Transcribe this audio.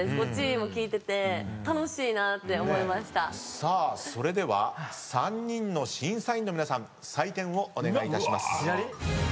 さあそれでは３人の審査員の皆さん採点をお願いいたします。